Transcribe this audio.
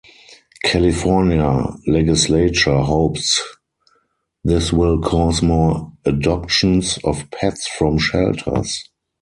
California legislature hopes this will cause more adoptions of pets from shelters.